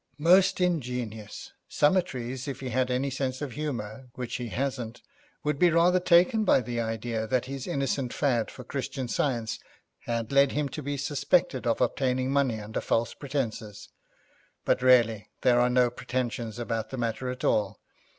Most ingenious. Summertrees, if he had any sense of humour, which he hasn't, would be rather taken by the idea that his innocent fad for Christian Science had led him to be suspected of obtaining money under false pretences. But, really, there are no pretensions about the matter at all.